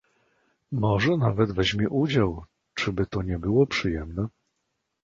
"Może nawet weźmie udział; czyby to nie było przyjemnie?"